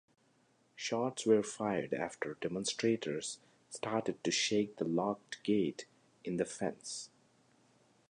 Shots were fired after demonstrators started to shake the locked gate in the fence.